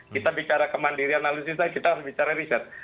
kita bicara kemandirian analisis saya kita harus bicara riset